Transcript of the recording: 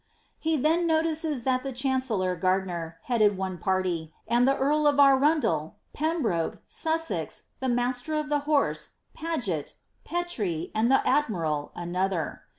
He then notices that the chancellor Gartiiner headed one party, and the earl of Arundel, Pembroke, Sussex, the mas ter of the horse, Paget, Petre. and the admiral, another.